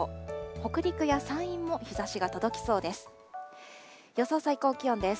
北陸や山陰も日ざしが届きそうです。